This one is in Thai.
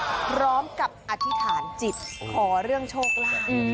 พร้อมกับอธิษฐานจิตขอเรื่องโชคลาภ